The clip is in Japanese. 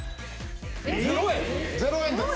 ０円です。